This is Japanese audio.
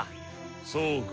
そうか。